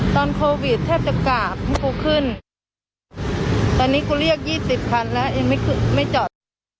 ตอนโควิดแทบจะกราบให้กูขึ้นตอนนี้กูเรียกยี่สิบคันแล้วยังไม่จอด